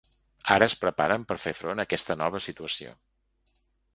Ara es preparen per fer front a aquesta nova situació.